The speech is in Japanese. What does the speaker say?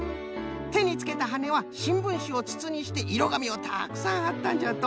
てにつけたはねはしんぶんしをつつにしていろがみをたくさんはったんじゃと。